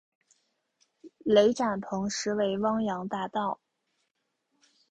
雷展鹏实为汪洋大盗。